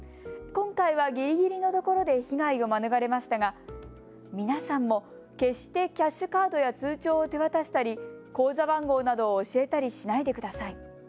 今回はぎりぎりのところで被害を免れましたが皆さんも決してキャッシュカードや通帳を手渡したり、口座番号などを教えたりしないでください。